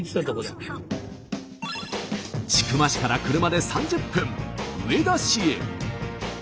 千曲市から車で３０分上田市へ。